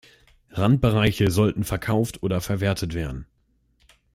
Randbereiche sollten verkauft oder verwertet werden.